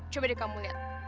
coba deh kamu lihat